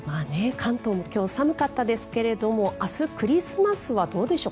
関東も今日寒かったですけれども明日、クリスマスはどうでしょう。